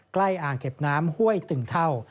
อ่างเก็บน้ำห้วยตึงเท่า